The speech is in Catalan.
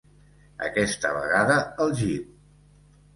Aquesta vegada al jeep.